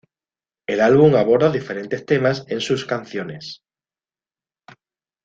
El álbum aborda diferentes temas en sus canciones.